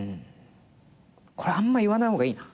これあんまり言わない方がいいな。